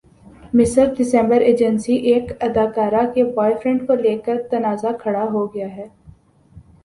مصر دسمبرایجنسی ایک اداکارہ کے بوائے فرینڈ کو لیکر تنازعہ کھڑا ہو گیا ہے